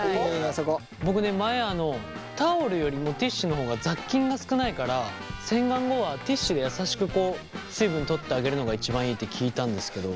僕ね前タオルよりもティッシュの方が雑菌が少ないから洗顔後はティッシュで優しく水分取ってあげるのが一番いいって聞いたんですけど。